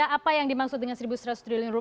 apa yang dimaksud dengan rp satu seratus triliun